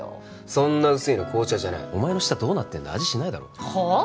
そんな薄いの紅茶じゃないお前の舌どうなってんだ味しないだろはあ？